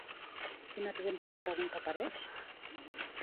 Quin exemple de pregunta apareix?